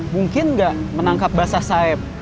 mungkin gak menangkap basah saeb